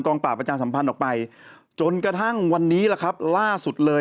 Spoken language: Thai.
กองปราบประชาสัมพันธ์ออกไปจนกระทั่งวันนี้ล่าสุดเลย